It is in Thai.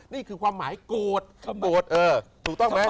นี่คือความหมายโกรธเออถูกต้องไหม